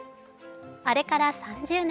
あれから３０年。